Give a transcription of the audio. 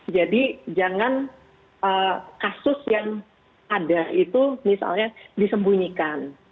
jadi jangan kasus yang ada itu misalnya disembunyikan